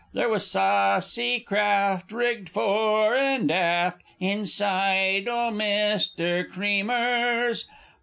There was saucy craft, Rigged fore an' aft, Inside o' Mr. Cre mer's.